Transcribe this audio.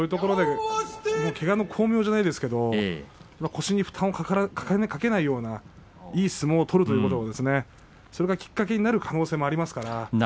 けがの功名じゃないですけれども腰に負担をかけないようないい相撲を取るということそれがきっかけになる可能性があります。